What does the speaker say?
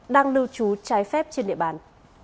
đang lưu trú trái phép trên địa bàn